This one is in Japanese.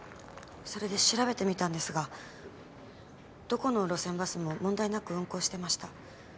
それで調べてみたんですがどこの路線バスも問題なく運行してました。